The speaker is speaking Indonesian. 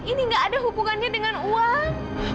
ini gak ada hubungannya dengan uang